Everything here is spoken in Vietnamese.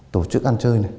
tổ chức ăn chơi